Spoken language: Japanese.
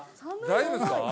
大丈夫ですか？